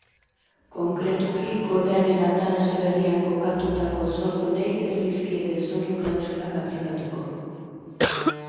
Konkretuki, kodearen atalase berrian kokatutako zordunei ez dizkiete zoru-klausulak aplikatuko.